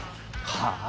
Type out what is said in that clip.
はあ？